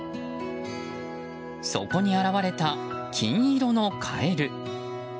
そこに現れた金色のカエル。